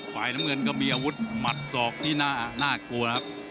ฝ่ายน้ำเงินก็มีอาวุธหมัดศอกที่น่ากลัวนะครับ